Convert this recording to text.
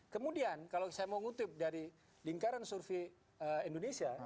kemudian kalau saya mau ngutip dari lingkaran survei indonesia